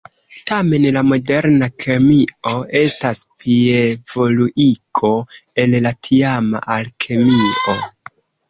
Tamen la moderna kemio estas plievoluigo el la tiama alkemio.